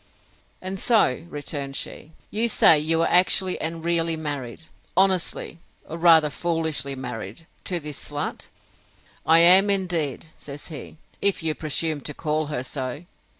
And so, returned she, you say you are actually and really married, honestly, or rather foolishly married, to this slut? I am, indeed, says he, if you presume to call her so!